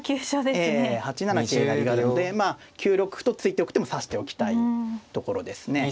ええ８七桂成があるのでまあ９六歩と突いておく手も指しておきたいところですね。